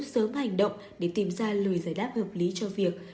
sớm hành động để tìm ra lời giải đáp hợp lý cho việc